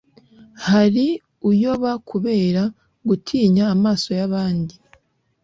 hari uyoba kubera gutinya amaso y'abandi